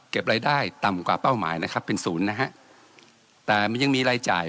รายได้ต่ำกว่าเป้าหมายนะครับเป็นศูนย์นะฮะแต่มันยังมีรายจ่าย